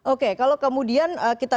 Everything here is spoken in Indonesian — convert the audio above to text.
oke kalau kemudian kita